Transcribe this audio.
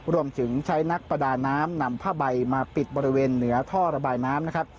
รวมถึงใช้นักประดาน้ำนำผ้าใบมาปิดบริเวณเหนือท่อระบายน้ำนะครับ